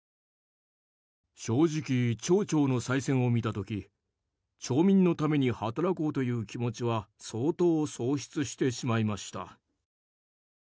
正直、町長の再選を見た時町民のために働こうという気持ちは相当、喪失してしまいました。